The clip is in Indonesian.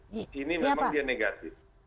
di sini memang dia negatif